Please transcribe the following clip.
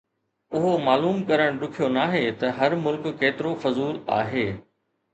اهو معلوم ڪرڻ ڏکيو ناهي ته هر ملڪ ڪيترو فضول آهي